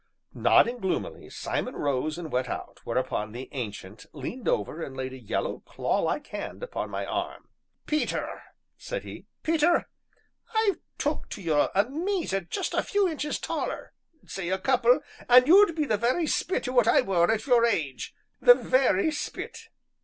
Nodding gloomily, Simon rose and went out, whereupon the Ancient leaned over and laid a yellow, clawlike hand upon my arm. "Peter," said he, "Peter, I've took to you amazin'; just a few inches taller say a couple an' you'd be the very spit o' what I were at your age the very spit."